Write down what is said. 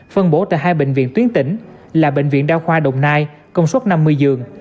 phân bổ tại hai bệnh viện tuyến tỉnh là bệnh viện đa khoa đồng nai công suất năm mươi giường